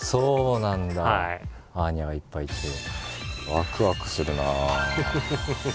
ワクワクするなあ。